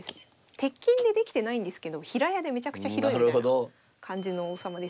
鉄筋で出来てないんですけど平屋でめちゃくちゃ広いみたいな感じの王様です